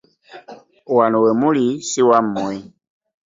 Wano we muli si wammwe.